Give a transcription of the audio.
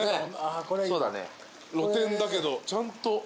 露天だけどちゃんと。